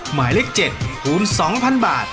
หมายเลข๗คูณ๒๐๐๐บาท